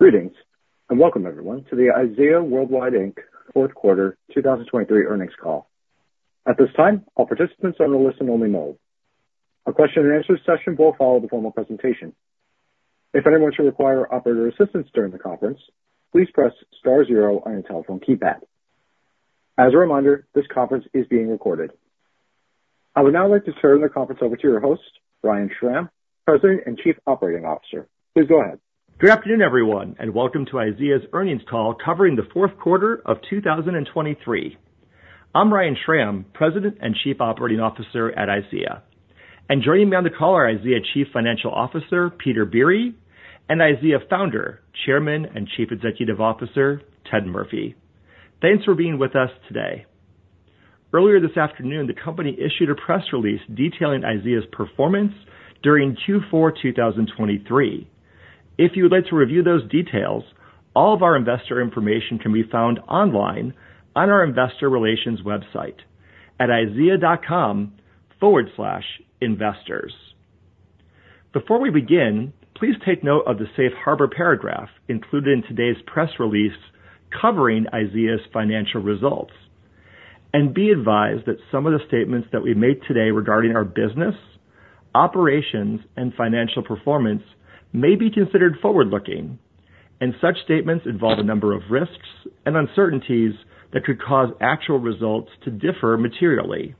Greetings and welcome, everyone, to the IZEA Worldwide, Inc. fourth quarter 2023 earnings call. At this time, all participants are in a listen-only mode. A question-and-answer session will follow the formal presentation. If anyone should require operator assistance during the conference, please press star zero on your telephone keypad. As a reminder, this conference is being recorded. I would now like to turn the conference over to your host, Ryan Schram, President and Chief Operating Officer. Please go ahead. Good afternoon, everyone, and welcome to IZEA's earnings call covering the fourth quarter of 2023. I'm Ryan Schram, President and Chief Operating Officer at IZEA, and joining me on the call are IZEA Chief Financial Officer Peter Biere and IZEA Founder, Chairman and Chief Executive Officer Ted Murphy. Thanks for being with us today. Earlier this afternoon, the company issued a press release detailing IZEA's performance during Q4 2023. If you would like to review those details, all of our investor information can be found online on our investor relations website at IZEA.com/investors. Before we begin, please take note of the Safe Harbor paragraph included in today's press release covering IZEA's financial results, and be advised that some of the statements that we made today regarding our business, operations, and financial performance may be considered forward-looking, and such statements involve a number of risks and uncertainties that could cause actual results to differ materially.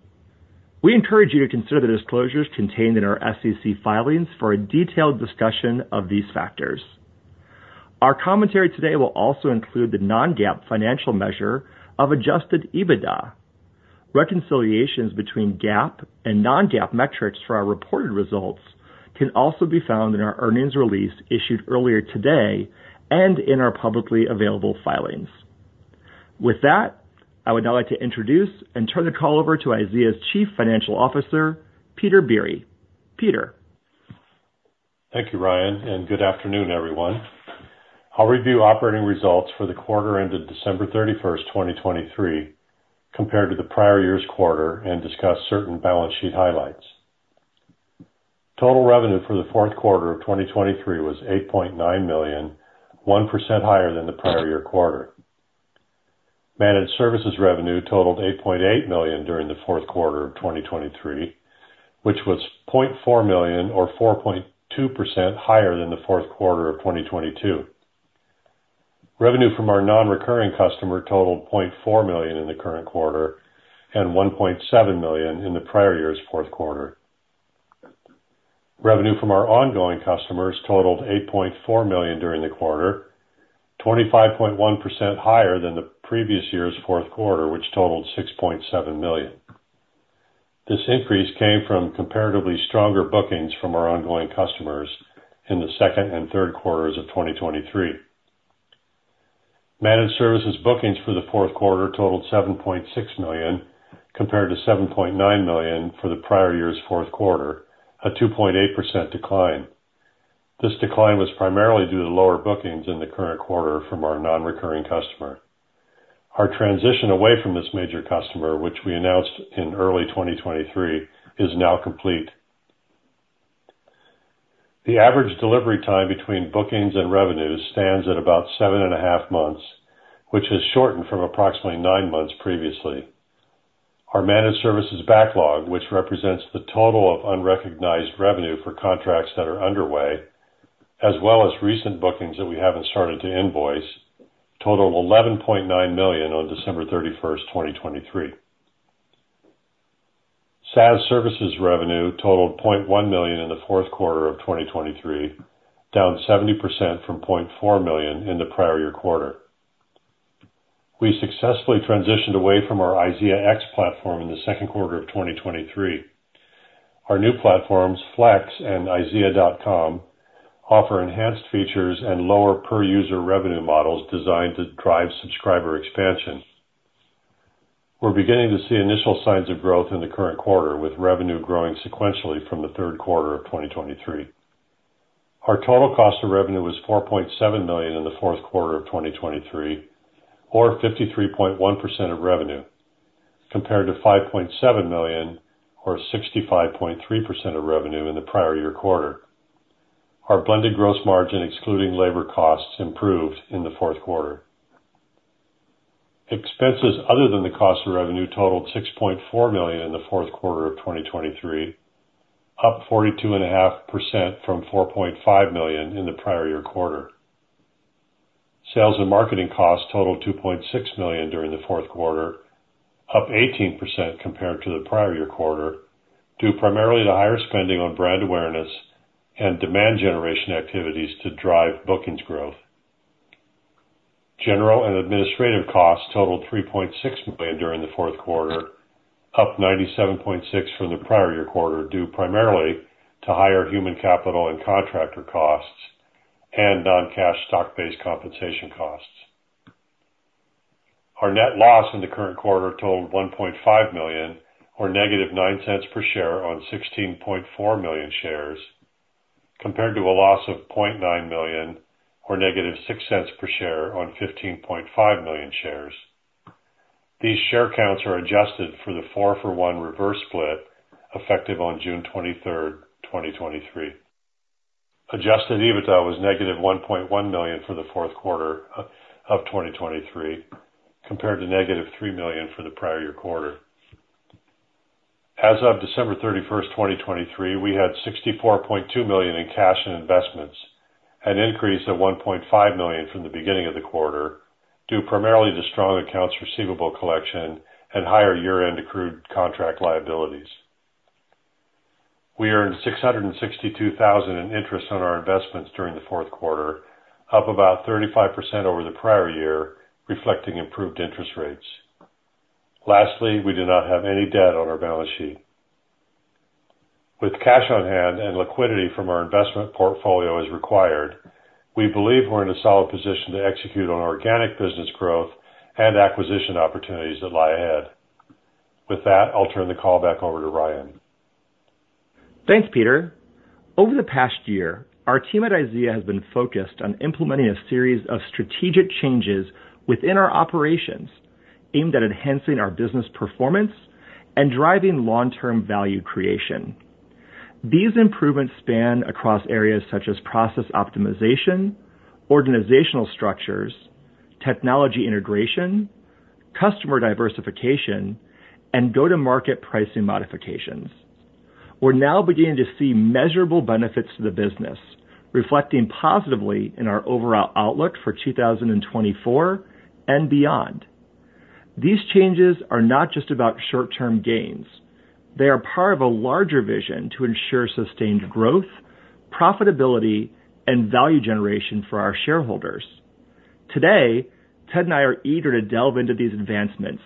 We encourage you to consider the disclosures contained in our SEC filings for a detailed discussion of these factors. Our commentary today will also include the non-GAAP financial measure of Adjusted EBITDA. Reconciliations between GAAP and non-GAAP metrics for our reported results can also be found in our earnings release issued earlier today and in our publicly available filings. With that, I would now like to introduce and turn the call over to IZEA's Chief Financial Officer, Peter Biere. Peter. Thank you, Ryan, and good afternoon, everyone. I'll review operating results for the quarter ended December 31, 2023, compared to the prior year's quarter, and discuss certain balance sheet highlights. Total revenue for the fourth quarter of 2023 was $8.9 million, 1% higher than the prior year quarter. Managed Services revenue totaled $8.8 million during the fourth quarter of 2023, which was $0.4 million or 4.2% higher than the fourth quarter of 2022. Revenue from our non-recurring customer totaled $0.4 million in the current quarter and $1.7 million in the prior year's fourth quarter. Revenue from our ongoing customers totaled $8.4 million during the quarter, 25.1% higher than the previous year's fourth quarter, which totaled $6.7 million. This increase came from comparatively stronger bookings from our ongoing customers in the second and third quarters of 2023. Managed Services bookings for the fourth quarter totaled $7.6 million compared to $7.9 million for the prior year's fourth quarter, a 2.8% decline. This decline was primarily due to lower bookings in the current quarter from our non-recurring customer. Our transition away from this major customer, which we announced in early 2023, is now complete. The average delivery time between bookings and revenues stands at about seven and a half months, which has shortened from approximately nine months previously. Our Managed Services backlog, which represents the total of unrecognized revenue for contracts that are underway, as well as recent bookings that we haven't started to invoice, totaled $11.9 million on December 31, 2023. SaaS Services revenue totaled $0.1 million in the fourth quarter of 2023, down 70% from $0.4 million in the prior year quarter. We successfully transitioned away from our IZEAx platform in the second quarter of 2023. Our new platforms, Flex and IZEA.com, offer enhanced features and lower per-user revenue models designed to drive subscriber expansion. We're beginning to see initial signs of growth in the current quarter, with revenue growing sequentially from the third quarter of 2023. Our total cost of revenue was $4.7 million in the fourth quarter of 2023, or 53.1% of revenue, compared to $5.7 million or 65.3% of revenue in the prior year quarter. Our blended gross margin, excluding labor costs, improved in the fourth quarter. Expenses other than the cost of revenue totaled $6.4 million in the fourth quarter of 2023, up 42.5% from $4.5 million in the prior year quarter. Sales and marketing costs totaled $2.6 million during the fourth quarter, up 18% compared to the prior year quarter, due primarily to higher spending on brand awareness and demand generation activities to drive bookings growth. General and administrative costs totaled $3.6 million during the fourth quarter, up 97.6% from the prior year quarter, due primarily to higher human capital and contractor costs and non-cash stock-based compensation costs. Our net loss in the current quarter totaled $1.5 million or negative $0.09 per share on 16.4 million shares, compared to a loss of $0.9 million or negative $0.06 per share on 15.5 million shares. These share counts are adjusted for the four-for-one reverse split effective on June 23, 2023. Adjusted EBITDA was negative $1.1 million for the fourth quarter of 2023, compared to negative $3 million for the prior year quarter. As of December 31, 2023, we had $64.2 million in cash and investments, an increase of $1.5 million from the beginning of the quarter, due primarily to strong accounts receivable collection and higher year-end accrued contract liabilities. We earned $662,000 in interest on our investments during the fourth quarter, up about 35% over the prior year, reflecting improved interest rates. Lastly, we do not have any debt on our balance sheet. With cash on hand and liquidity from our investment portfolio as required, we believe we're in a solid position to execute on organic business growth and acquisition opportunities that lie ahead. With that, I'll turn the call back over to Ryan. Thanks, Peter. Over the past year, our team at IZEA has been focused on implementing a series of strategic changes within our operations aimed at enhancing our business performance and driving long-term value creation. These improvements span across areas such as process optimization, organizational structures, technology integration, customer diversification, and go-to-market pricing modifications. We're now beginning to see measurable benefits to the business, reflecting positively in our overall outlook for 2024 and beyond. These changes are not just about short-term gains; they are part of a larger vision to ensure sustained growth, profitability, and value generation for our shareholders. Today, Ted and I are eager to delve into these advancements,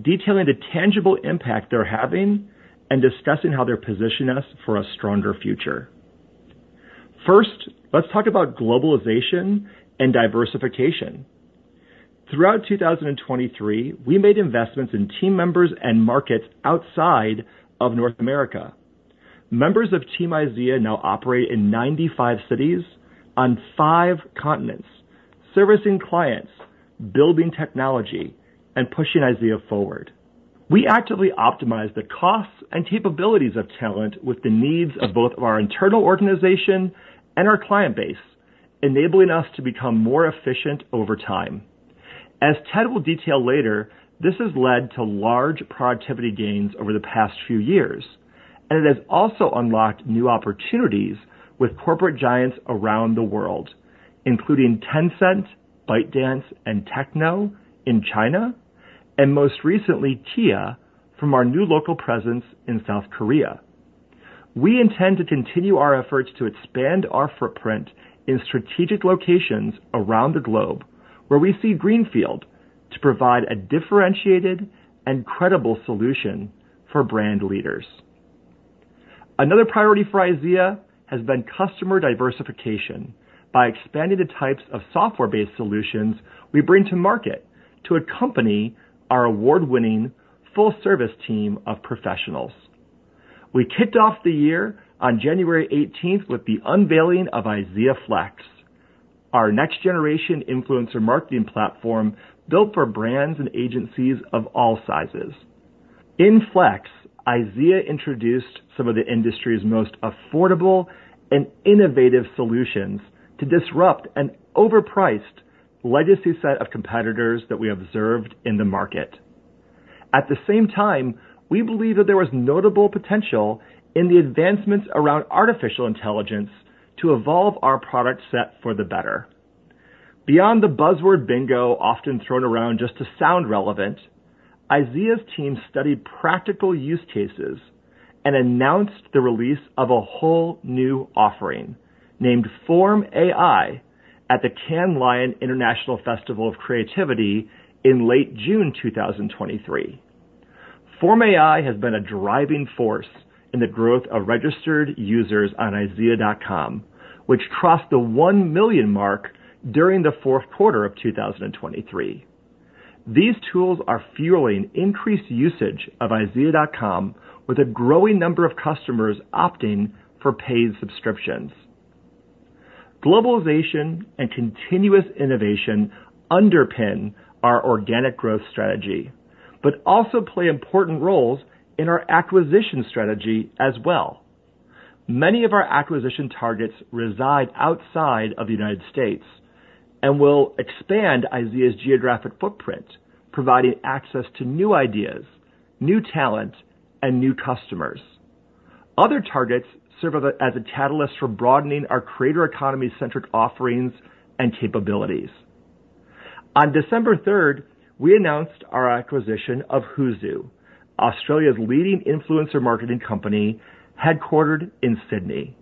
detailing the tangible impact they're having and discussing how they're positioning us for a stronger future. First, let's talk about globalization and diversification. Throughout 2023, we made investments in team members and markets outside of North America. Members of Team IZEA now operate in 95 cities on five continents, servicing clients, building technology, and pushing IZEA forward. We actively optimize the costs and capabilities of talent with the needs of both our internal organization and our client base, enabling us to become more efficient over time. As Ted will detail later, this has led to large productivity gains over the past few years, and it has also unlocked new opportunities with corporate giants around the world, including Tencent, ByteDance, and Tecno in China, and most recently Kia from our new local presence in South Korea. We intend to continue our efforts to expand our footprint in strategic locations around the globe, where we see greenfield to provide a differentiated and credible solution for brand leaders. Another priority for IZEA has been customer diversification by expanding the types of software-based solutions we bring to market to accompany our award-winning full-service team of professionals. We kicked off the year on January 18 with the unveiling of IZEA Flex, our next-generation influencer marketing platform built for brands and agencies of all sizes. In Flex, IZEA introduced some of the industry's most affordable and innovative solutions to disrupt an overpriced legacy set of competitors that we observed in the market. At the same time, we believe that there was notable potential in the advancements around artificial intelligence to evolve our product set for the better. Beyond the buzzword bingo often thrown around just to sound relevant, IZEA's team studied practical use cases and announced the release of a whole new offering named FormAI at the Cannes Lions International Festival of Creativity in late June 2023. FormAI has been a driving force in the growth of registered users on IZEA.com, which crossed the 1 million mark during the fourth quarter of 2023. These tools are fueling increased usage of IZEA.com, with a growing number of customers opting for paid subscriptions. Globalization and continuous innovation underpin our organic growth strategy, but also play important roles in our acquisition strategy as well. Many of our acquisition targets reside outside of the United States and will expand IZEA's geographic footprint, providing access to new ideas, new talent, and new customers. Other targets serve as a catalyst for broadening our creator economy-centric offerings and capabilities. On December 3, we announced our acquisition of Hoozu, Australia's leading influencer marketing company headquartered in Sydney.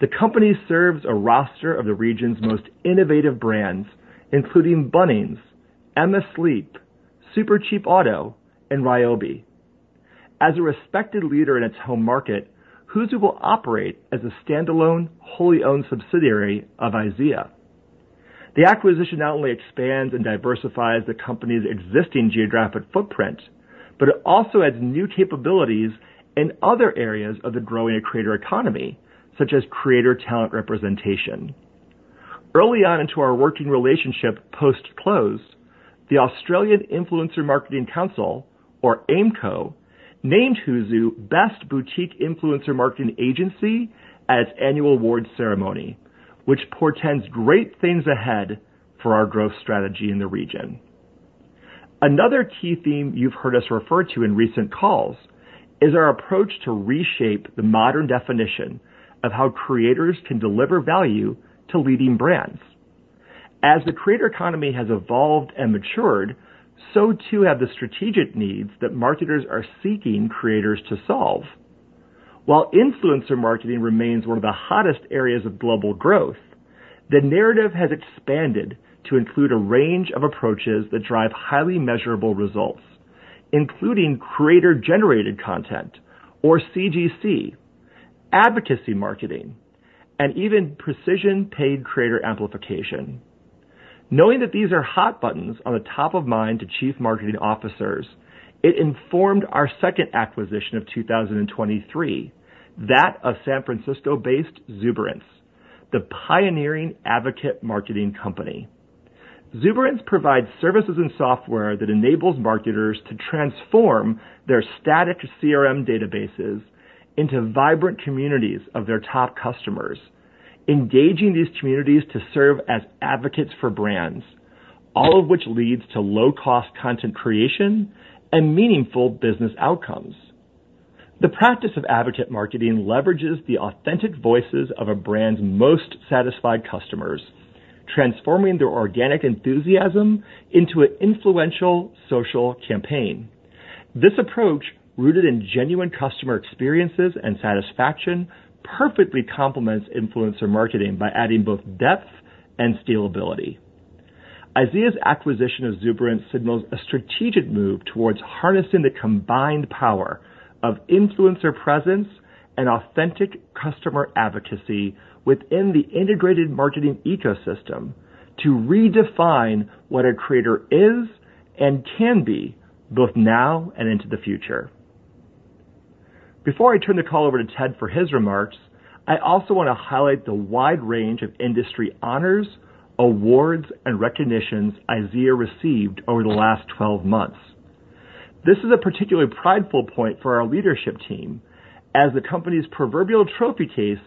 The company serves a roster of the region's most innovative brands, including Bunnings, Emma Sleep, Supercheap Auto, and Ryobi. As a respected leader in its home market, Hoozu will operate as a standalone, wholly owned subsidiary of IZEA. The acquisition not only expands and diversifies the company's existing geographic footprint, but it also adds new capabilities in other areas of the growing creator economy, such as creator talent representation. Early on into our working relationship post-close, the Australian Influencer Marketing Council, or AiMCO, named Hoozu Best Boutique Influencer Marketing Agency at its annual awards ceremony, which portends great things ahead for our growth strategy in the region. Another key theme you've heard us refer to in recent calls is our approach to reshape the modern definition of how creators can deliver value to leading brands. As the creator economy has evolved and matured, so too have the strategic needs that marketers are seeking creators to solve. While influencer marketing remains one of the hottest areas of global growth, the narrative has expanded to include a range of approaches that drive highly measurable results, including creator-generated content, or CGC, advocacy marketing, and even precision paid creator amplification. Knowing that these are hot buttons on the top of mind to chief marketing officers, it informed our second acquisition of 2023, that of San Francisco-based Zuberance, the pioneering advocate marketing company. Zuberance provides services and software that enables marketers to transform their static CRM databases into vibrant communities of their top customers, engaging these communities to serve as advocates for brands, all of which leads to low-cost content creation and meaningful business outcomes. The practice of advocate marketing leverages the authentic voices of a brand's most satisfied customers, transforming their organic enthusiasm into an influential social campaign. This approach, rooted in genuine customer experiences and satisfaction, perfectly complements influencer marketing by adding both depth and scalability. IZEA's acquisition of Zuberance signals a strategic move towards harnessing the combined power of influencer presence and authentic customer advocacy within the integrated marketing ecosystem to redefine what a creator is and can be both now and into the future. Before I turn the call over to Ted for his remarks, I also want to highlight the wide range of industry honors, awards, and recognitions IZEA received over the last 12 months. This is a particularly prideful point for our leadership team, as the company's proverbial trophy case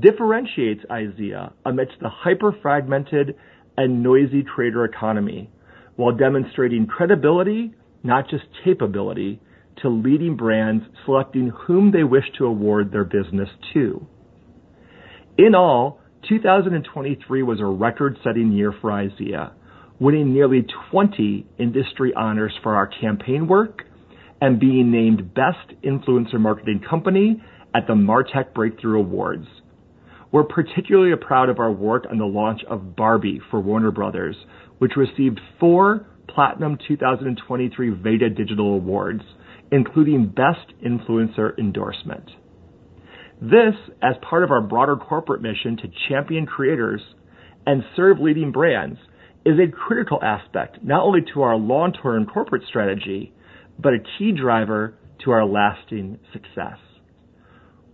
differentiates IZEA amidst the hyper-fragmented and noisy creator economy while demonstrating credibility, not just capability, to leading brands selecting whom they wish to award their business to. In all, 2023 was a record-setting year for IZEA, winning nearly 20 industry honors for our campaign work and being named Best Influencer Marketing Company at the MarTech Breakthrough Awards. We're particularly proud of our work on the launch of Barbie for Warner Bros., which received 4 Platinum 2023 Vega Digital Awards, including Best Influencer Endorsement. This, as part of our broader corporate mission to champion creators and serve leading brands, is a critical aspect not only to our long-term corporate strategy but a key driver to our lasting success.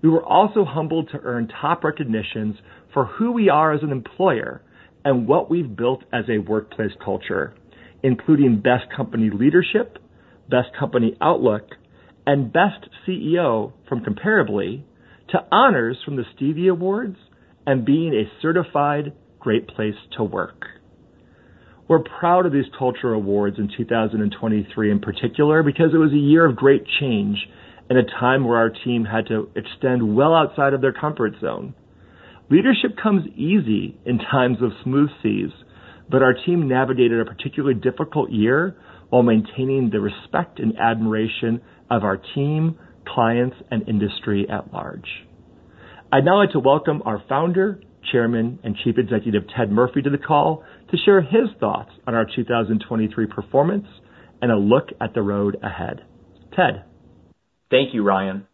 We were also humbled to earn top recognitions for who we are as an employer and what we've built as a workplace culture, including Best Company Leadership, Best Company Outlook, and Best CEO from Comparably, to honors from the Stevie Awards and being a certified great place to work. We're proud of these cultural awards in 2023 in particular because it was a year of great change and a time where our team had to extend well outside of their comfort zone. Leadership comes easy in times of smooth seas, but our team navigated a particularly difficult year while maintaining the respect and admiration of our team, clients, and industry at large. I'd now like to welcome our founder, chairman, and Chief Executive Ted Murphy to the call to share his thoughts on our 2023 performance and a look at the road ahead. Ted. Thank you, Ryan.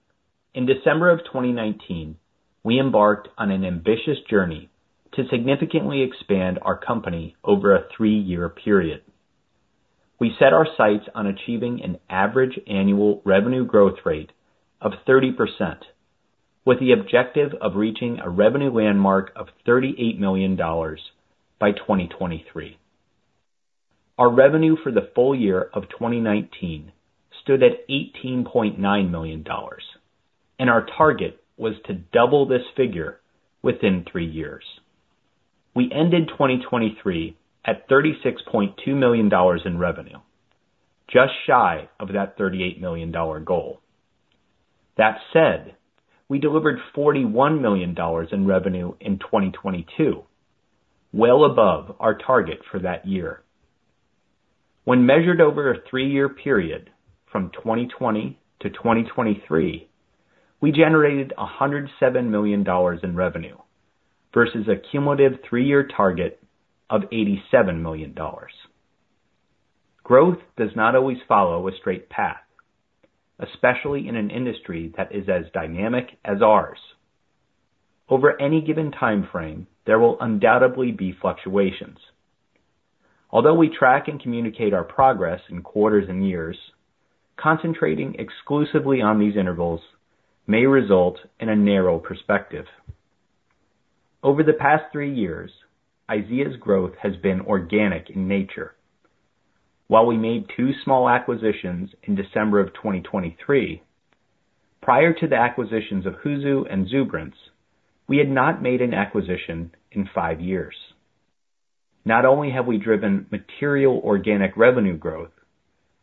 In December of 2019, we embarked on an ambitious journey to significantly expand our company over a three-year period. We set our sights on achieving an average annual revenue growth rate of 30%, with the objective of reaching a revenue landmark of $38 million by 2023. Our revenue for the full year of 2019 stood at $18.9 million, and our target was to double this figure within three years. We ended 2023 at $36.2 million in revenue, just shy of that $38 million goal. That said, we delivered $41 million in revenue in 2022, well above our target for that year. When measured over a three-year period from 2020 to 2023, we generated $107 million in revenue versus a cumulative three-year target of $87 million. Growth does not always follow a straight path, especially in an industry that is as dynamic as ours. Over any given time frame, there will undoubtedly be fluctuations. Although we track and communicate our progress in quarters and years, concentrating exclusively on these intervals may result in a narrow perspective. Over the past three years, IZEA's growth has been organic in nature. While we made two small acquisitions in December of 2023, prior to the acquisitions of Hoozu and Zuberance, we had not made an acquisition in five years. Not only have we driven material organic revenue growth,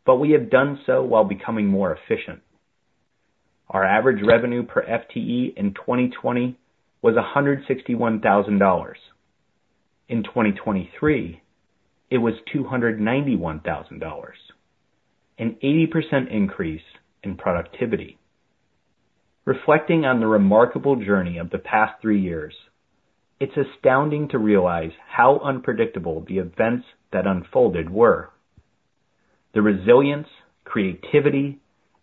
but we have done so while becoming more efficient. Our average revenue per FTE in 2020 was $161,000. In 2023, it was $291,000, an 80% increase in productivity. Reflecting on the remarkable journey of the past three years, it's astounding to realize how unpredictable the events that unfolded were. The resilience, creativity,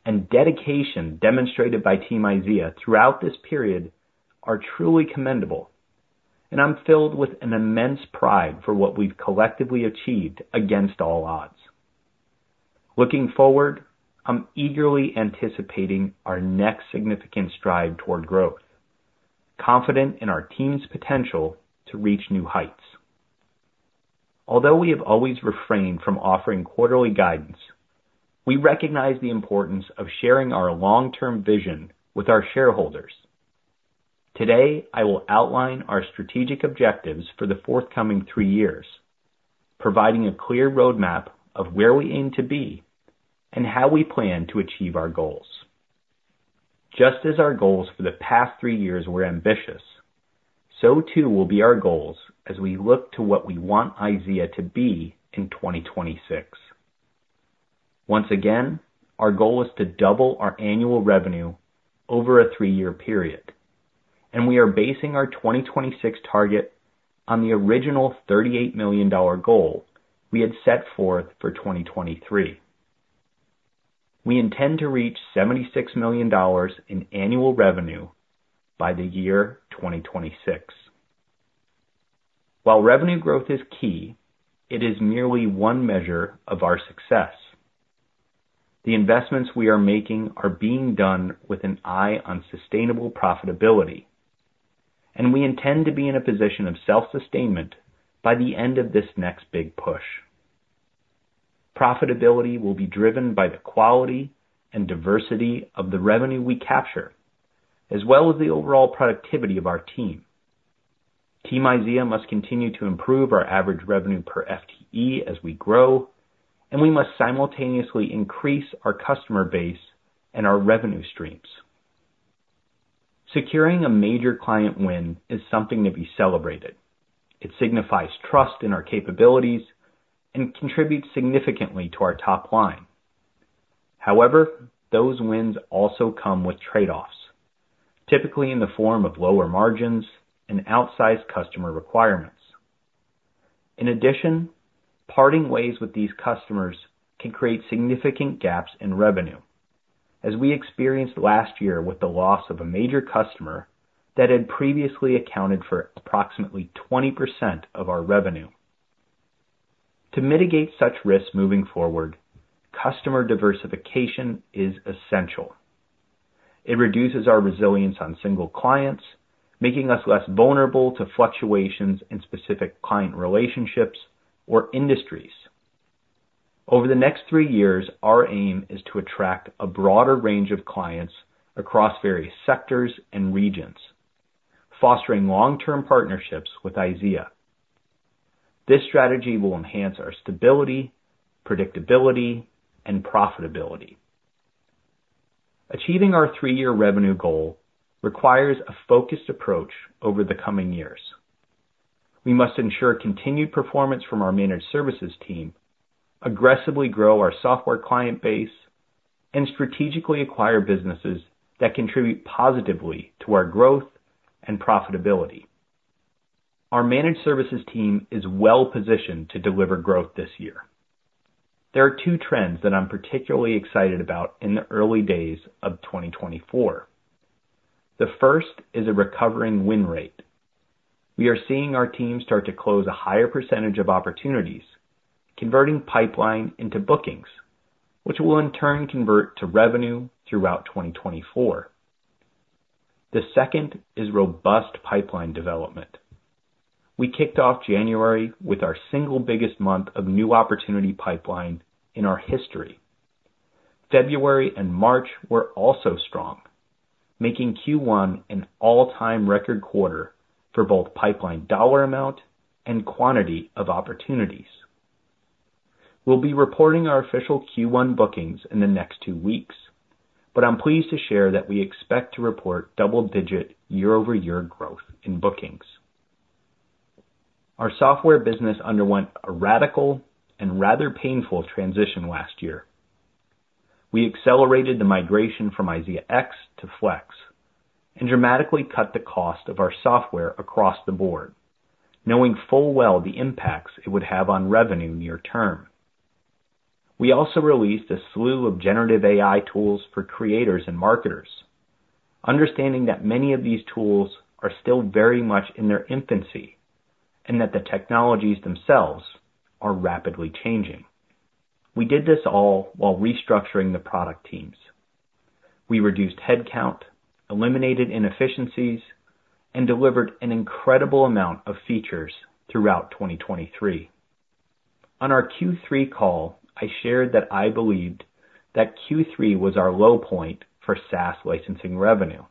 and dedication demonstrated by Team IZEA throughout this period are truly commendable, and I'm filled with an immense pride for what we've collectively achieved against all odds. Looking forward, I'm eagerly anticipating our next significant stride toward growth, confident in our team's potential to reach new heights. Although we have always refrained from offering quarterly guidance, we recognize the importance of sharing our long-term vision with our shareholders. Today, I will outline our strategic objectives for the forthcoming three years, providing a clear roadmap of where we aim to be and how we plan to achieve our goals. Just as our goals for the past three years were ambitious, so too will be our goals as we look to what we want IZEA to be in 2026. Once again, our goal is to double our annual revenue over a three-year period, and we are basing our 2026 target on the original $38 million goal we had set forth for 2023. We intend to reach $76 million in annual revenue by the year 2026. While revenue growth is key, it is merely one measure of our success. The investments we are making are being done with an eye on sustainable profitability, and we intend to be in a position of self-sustainment by the end of this next big push. Profitability will be driven by the quality and diversity of the revenue we capture, as well as the overall productivity of our team. Team IZEA must continue to improve our average revenue per FTE as we grow, and we must simultaneously increase our customer base and our revenue streams. Securing a major client win is something to be celebrated. It signifies trust in our capabilities and contributes significantly to our top line. However, those wins also come with trade-offs, typically in the form of lower margins and outsized customer requirements. In addition, parting ways with these customers can create significant gaps in revenue, as we experienced last year with the loss of a major customer that had previously accounted for approximately 20% of our revenue. To mitigate such risks moving forward, customer diversification is essential. It reduces our resilience on single clients, making us less vulnerable to fluctuations in specific client relationships or industries. Over the next three years, our aim is to attract a broader range of clients across various sectors and regions, fostering long-term partnerships with IZEA. This strategy will enhance our stability, predictability, and profitability. Achieving our three-year revenue goal requires a focused approach over the coming years. We must ensure continued performance from our managed services team, aggressively grow our software client base, and strategically acquire businesses that contribute positively to our growth and profitability. Our managed services team is well positioned to deliver growth this year. There are two trends that I'm particularly excited about in the early days of 2024. The first is a recovering win rate. We are seeing our team start to close a higher percentage of opportunities, converting pipeline into bookings, which will in turn convert to revenue throughout 2024. The second is robust pipeline development. We kicked off January with our single biggest month of new opportunity pipeline in our history. February and March were also strong, making Q1 an all-time record quarter for both pipeline dollar amount and quantity of opportunities. We'll be reporting our official Q1 bookings in the next two weeks, but I'm pleased to share that we expect to report double-digit year-over-year growth in bookings. Our software business underwent a radical and rather painful transition last year. We accelerated the migration from IZEAx to Flex and dramatically cut the cost of our software across the board, knowing full well the impacts it would have on revenue near term. We also released a slew of generative AI tools for creators and marketers, understanding that many of these tools are still very much in their infancy and that the technologies themselves are rapidly changing. We did this all while restructuring the product teams. We reduced headcount, eliminated inefficiencies, and delivered an incredible amount of features throughout 2023. On our Q3 call, I shared that I believed that Q3 was our low point for SaaS licensing revenue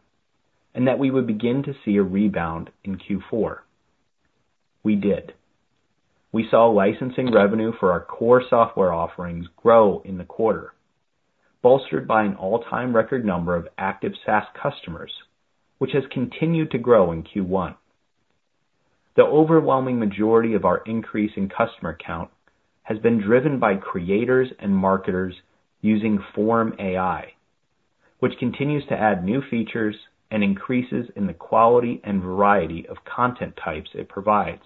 and that we would begin to see a rebound in Q4. We did. We saw licensing revenue for our core software offerings grow in the quarter, bolstered by an all-time record number of active SaaS customers, which has continued to grow in Q1. The overwhelming majority of our increase in customer count has been driven by creators and marketers using FormAI, which continues to add new features and increases in the quality and variety of content types it provides.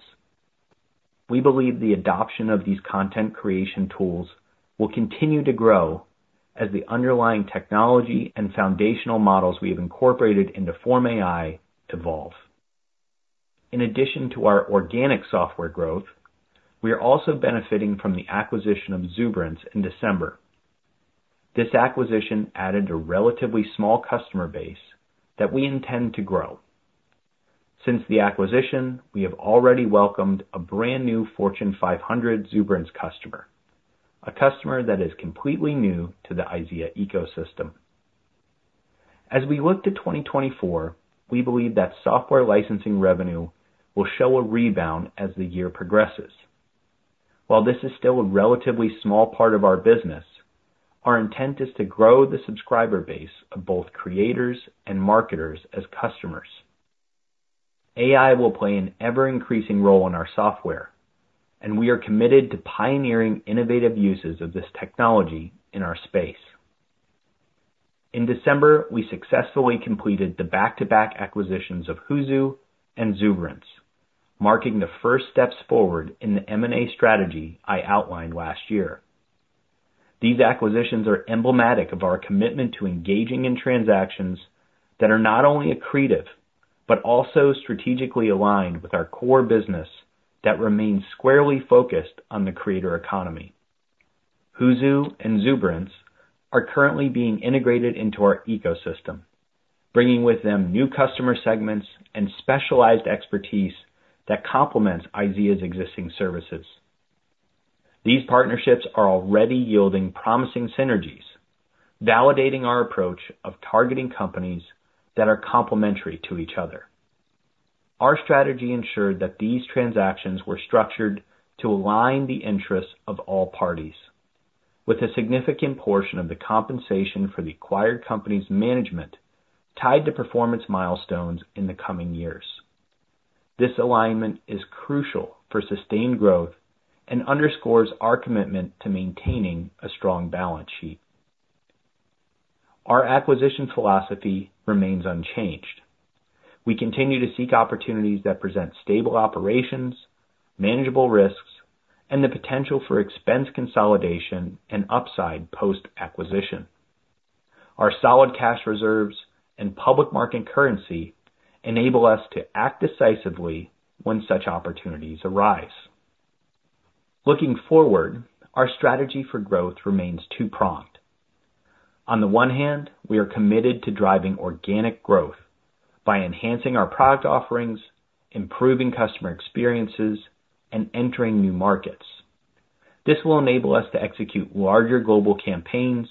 We believe the adoption of these content creation tools will continue to grow as the underlying technology and foundational models we have incorporated into FormAI evolve. In addition to our organic software growth, we are also benefiting from the acquisition of Zuberance in December. This acquisition added a relatively small customer base that we intend to grow. Since the acquisition, we have already welcomed a brand new Fortune 500 Zuberance customer, a customer that is completely new to the IZEA ecosystem. As we look to 2024, we believe that software licensing revenue will show a rebound as the year progresses. While this is still a relatively small part of our business, our intent is to grow the subscriber base of both creators and marketers as customers. AI will play an ever-increasing role in our software, and we are committed to pioneering innovative uses of this technology in our space. In December, we successfully completed the back-to-back acquisitions of Hoozu and Zuberance, marking the first steps forward in the M&A strategy I outlined last year. These acquisitions are emblematic of our commitment to engaging in transactions that are not only accretive but also strategically aligned with our core business that remains squarely focused on the creator economy. Hoozu and Zuberance are currently being integrated into our ecosystem, bringing with them new customer segments and specialized expertise that complements IZEA's existing services. These partnerships are already yielding promising synergies, validating our approach of targeting companies that are complementary to each other. Our strategy ensured that these transactions were structured to align the interests of all parties, with a significant portion of the compensation for the acquired company's management tied to performance milestones in the coming years. This alignment is crucial for sustained growth and underscores our commitment to maintaining a strong balance sheet. Our acquisition philosophy remains unchanged. We continue to seek opportunities that present stable operations, manageable risks, and the potential for expense consolidation and upside post-acquisition. Our solid cash reserves and public market currency enable us to act decisively when such opportunities arise. Looking forward, our strategy for growth remains two-pronged. On the one hand, we are committed to driving organic growth by enhancing our product offerings, improving customer experiences, and entering new markets. This will enable us to execute larger global campaigns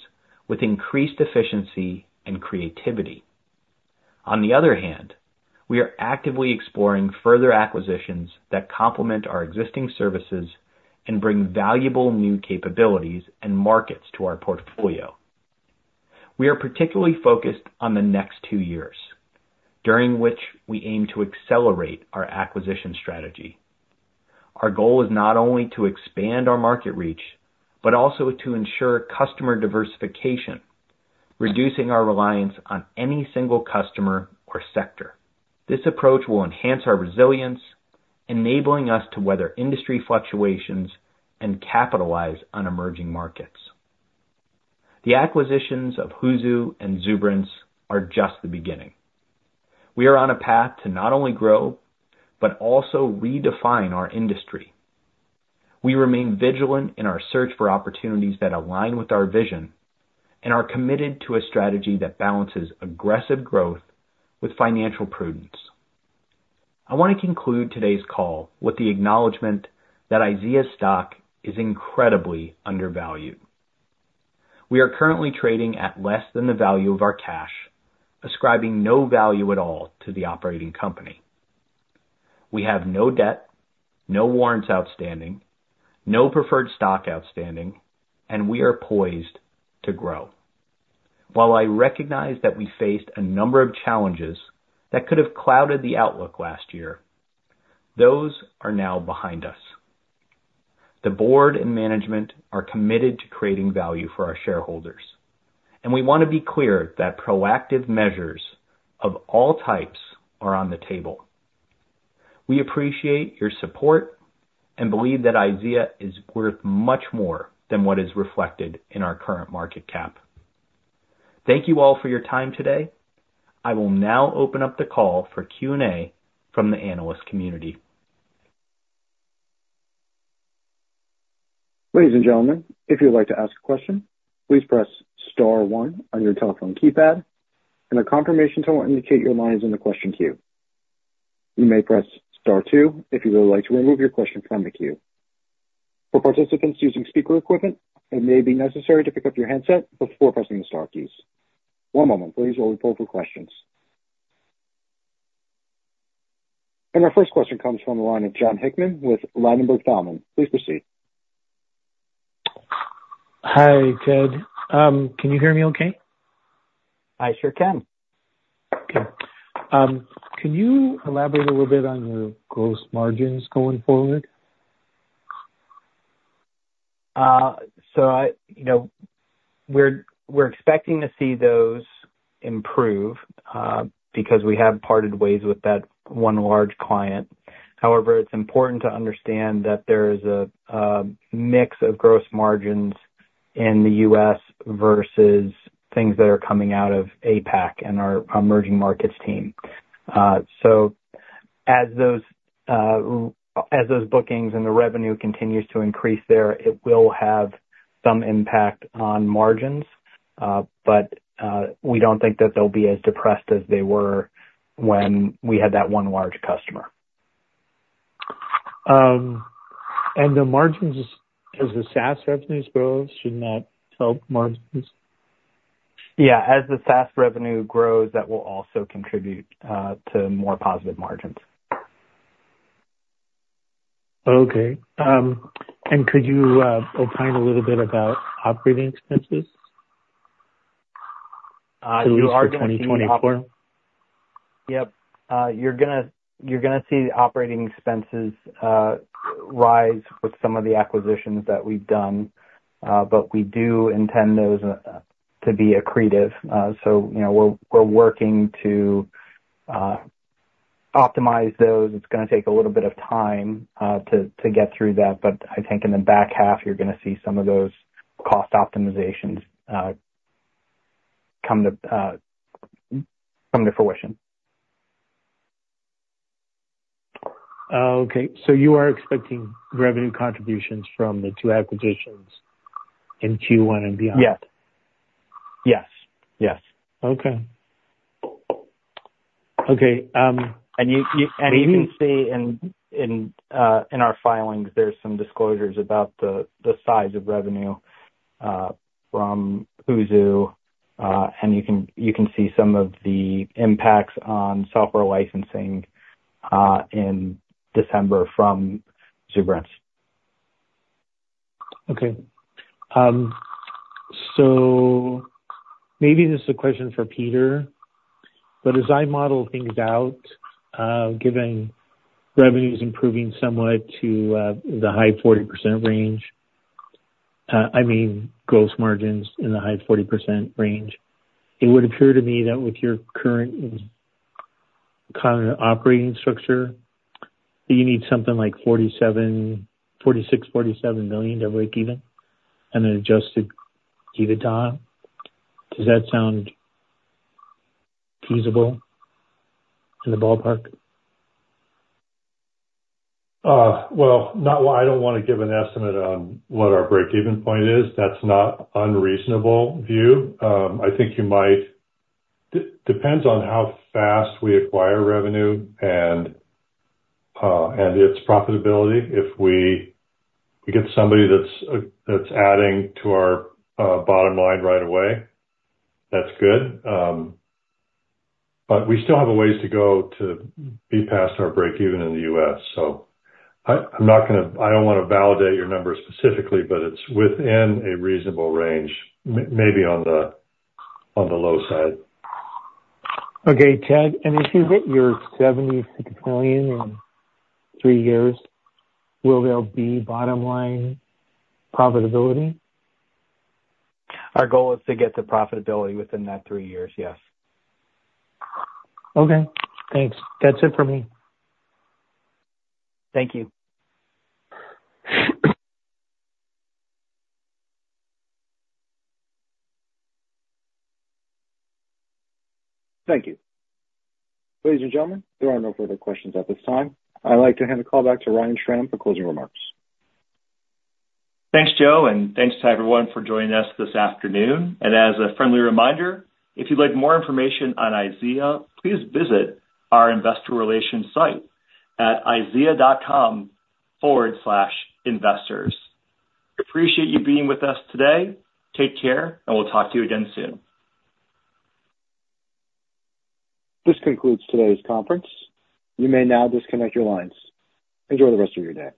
with increased efficiency and creativity. On the other hand, we are actively exploring further acquisitions that complement our existing services and bring valuable new capabilities and markets to our portfolio. We are particularly focused on the next two years, during which we aim to accelerate our acquisition strategy. Our goal is not only to expand our market reach but also to ensure customer diversification, reducing our reliance on any single customer or sector. This approach will enhance our resilience, enabling us to weather industry fluctuations and capitalize on emerging markets. The acquisitions of Hoozu and Zuberance are just the beginning. We are on a path to not only grow but also redefine our industry. We remain vigilant in our search for opportunities that align with our vision and are committed to a strategy that balances aggressive growth with financial prudence. I want to conclude today's call with the acknowledgment that IZEA's stock is incredibly undervalued. We are currently trading at less than the value of our cash, ascribing no value at all to the operating company. We have no debt, no warrants outstanding, no preferred stock outstanding, and we are poised to grow. While I recognize that we faced a number of challenges that could have clouded the outlook last year, those are now behind us. The board and management are committed to creating value for our shareholders, and we want to be clear that proactive measures of all types are on the table. We appreciate your support and believe that IZEA is worth much more than what is reflected in our current market cap. Thank you all for your time today. I will now open up the call for Q&A from the analyst community. Ladies and gentlemen, if you would like to ask a question, please press star 1 on your telephone keypad and the confirmation tool will indicate your line is in the question queue. You may press star 2 if you would like to remove your question from the queue. For participants using speaker equipment, it may be necessary to pick up your headset before pressing the star keys. One moment, please, while we pull for questions. And our first question comes from the line of John Hickman with Ladenburg Thalmann. Please proceed. Hi, Ted. Can you hear me okay? I sure can. Okay. Can you elaborate a little bit on your gross margins going forward? We're expecting to see those improve because we have parted ways with that one large client. However, it's important to understand that there is a mix of gross margins in the U.S. versus things that are coming out of APAC and our emerging markets team. As those bookings and the revenue continues to increase there, it will have some impact on margins, but we don't think that they'll be as depressed as they were when we had that one large customer. The margins, as the SaaS revenues grow, shouldn't that help margins? Yeah. As the SaaS revenue grows, that will also contribute to more positive margins. Okay. And could you opine a little bit about operating expenses to look for 2024? Yep. You're going to see the operating expenses rise with some of the acquisitions that we've done, but we do intend those to be accretive. So we're working to optimize those. It's going to take a little bit of time to get through that, but I think in the back half, you're going to see some of those cost optimizations come to fruition. Okay. You are expecting revenue contributions from the two acquisitions in Q1 and beyond? Yes. Yes. Yes. Okay. Okay. You can see in our filings. There's some disclosures about the size of revenue from Hoozu, and you can see some of the impacts on software licensing in December from Zuberance. Okay. So maybe this is a question for Peter, but as I model things out, given revenues improving somewhat to the high 40% range, I mean, gross margins in the high 40% range, it would appear to me that with your current kind of operating structure, that you need something like $46-$47 million to break even and an Adjusted EBITDA. Does that sound feasible in the ballpark? Well, I don't want to give an estimate on what our break-even point is. That's not an unreasonable view. I think it depends on how fast we acquire revenue and its profitability. If we get somebody that's adding to our bottom line right away, that's good. But we still have a ways to go to be past our break-even in the U.S. So, I'm not going to. I don't want to validate your number specifically, but it's within a reasonable range, maybe on the low side. Okay, Ted. If you hit your $76 million in three years, will there be bottom line profitability? Our goal is to get to profitability within that three years, yes. Okay. Thanks. That's it for me. Thank you. Thank you. Ladies and gentlemen, there are no further questions at this time. I'd like to hand the call back to Ryan Schram for closing remarks. Thanks, Joe, and thanks to everyone for joining us this afternoon. As a friendly reminder, if you'd like more information on IZEA, please visit our investor relations site at izea.com/investors. Appreciate you being with us today. Take care, and we'll talk to you again soon. This concludes today's conference. You may now disconnect your lines. Enjoy the rest of your day.